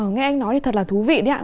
nghe anh nói thì thật là thú vị đấy ạ